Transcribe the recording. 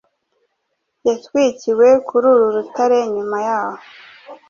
yatwikiwe kuri uru rutare nyuma y’aho